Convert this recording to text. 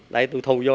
đấy tù thù vô